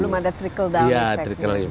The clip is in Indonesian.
belum ada trickle down